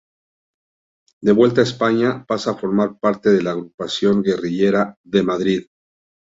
De vuelta a España, pasa a formar parte de la Agrupación Guerrillera de Madrid.